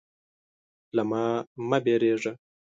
_له ما مه وېرېږه.